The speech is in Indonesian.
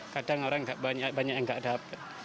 kadang orang banyak yang nggak dapat